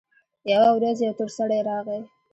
يوه ورځ يو تور سړى راغى.